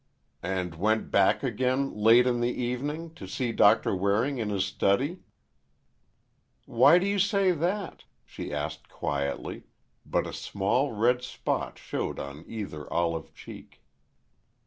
"And went back again, late in the evening—to see Doctor Waring, in his study." "Why do you say that?" she asked quietly, but a small red spot showed on either olive cheek.